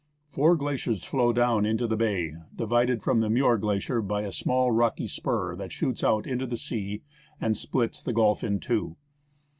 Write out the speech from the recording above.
Four glaciers flow down into the bay, divided from the Muir Glacier by a small rocky spur that shoots out into the sea and splits the gulf in two.